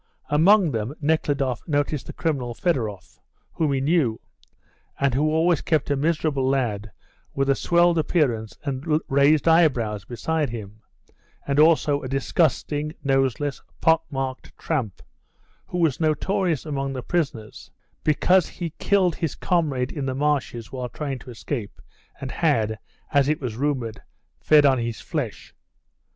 Among them Nekhludoff noticed the criminal Fedoroff, whom he knew, and who always kept a miserable lad with a swelled appearance and raised eyebrows beside him, and also a disgusting, noseless, pock marked tramp, who was notorious among the prisoners because he killed his comrade in the marshes while trying to escape, and had, as it was rumoured, fed on his flesh.